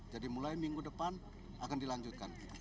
jadi mulai minggu depan akan dilanjutkan